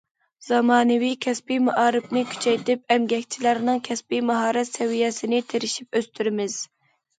زامانىۋى كەسپىي مائارىپنى كۈچەيتىپ، ئەمگەكچىلەرنىڭ كەسپىي ماھارەت سەۋىيەسىنى تىرىشىپ ئۆستۈرىمىز.